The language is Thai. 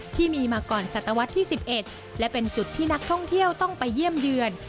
ที่มีมาก่อนศตวรรษที่๑๑และเป็นจุดที่นักท่องเที่ยวต้องไปเยี่ยมเยือน